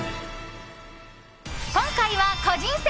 今回は個人戦。